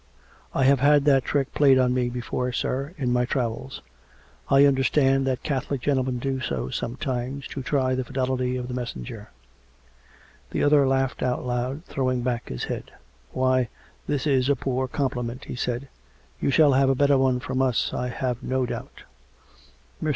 " I have had that trick played on me before, sir, in my travels. I understand that Catholic gentlemen do so some times to try the fidelity of the messenger." The other laughed out loud, throwing back his head, " Why, that is a poor compliment !" he said. " You shall have a better one from us, I have no doubt." Mr.